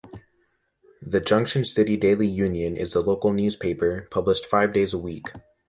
The "Junction City Daily Union" is the local newspaper, published five days a week.